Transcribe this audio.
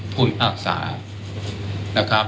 พูดภาคศาสตร์